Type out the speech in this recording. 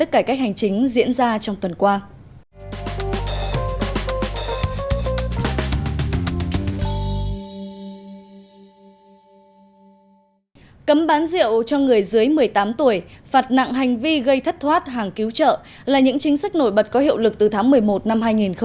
cấm bán rượu cho người dưới một mươi tám tuổi phạt nặng hành vi gây thất thoát hàng cứu trợ là những chính sách nổi bật có hiệu lực từ tháng một mươi một năm hai nghìn hai mươi